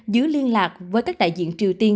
giữ liên lạc với các đại diện triều tiên